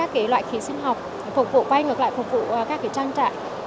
khí sinh học phục vụ quay ngược lại phục vụ các trang trại